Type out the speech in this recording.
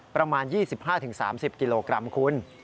ประมาณ๒๕๓๐กิโลกรัมคุณ